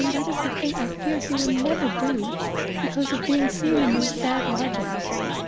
that is the thing I fear he never will do, because of being seen in these bad lodgings.